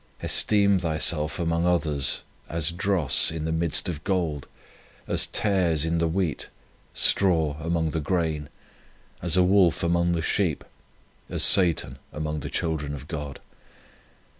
Esteem thyself among others as dross in the midst of gold, as tares in the wheat, straw among the grain, as a wolf among the sheep, as Satan among the children of God.